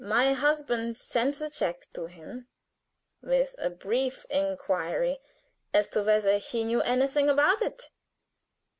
My husband sent the check to him, with a brief inquiry as to whether he knew anything about it.